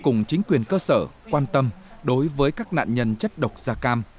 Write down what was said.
cùng chính quyền cơ sở quan tâm đối với các nạn nhân chất độc da cam